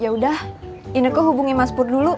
yaudah ineke hubungi mas pur dulu